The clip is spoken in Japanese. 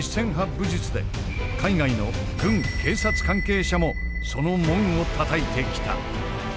武術で海外の軍・警察関係者もその門をたたいてきた。